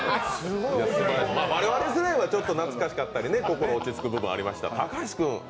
我々世代はちょっと懐かしかったり心落ち着く部分はありました。